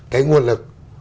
cái nguồn lực